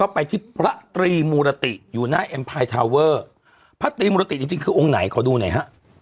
พฤติมุรติจริงคือองค์ไหนขอดูหน่อยครับ